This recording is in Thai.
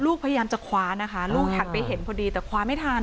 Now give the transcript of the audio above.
พยายามจะคว้านะคะลูกหันไปเห็นพอดีแต่คว้าไม่ทัน